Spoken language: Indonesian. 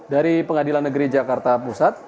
dari pengadilan negeri jakarta pusat